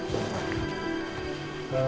sampai jumpa lagi